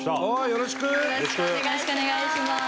よろしくお願いします。